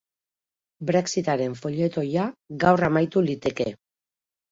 Brexit-aren folletoia gaur amaitu liteke.